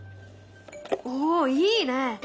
おっいいね！